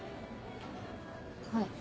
はい。